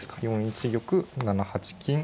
４一玉７八金。